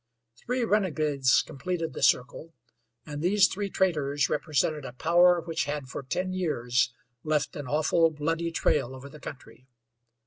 Three renegades completed the circle; and these three traitors represented a power which had for ten years left an awful, bloody trail over the country.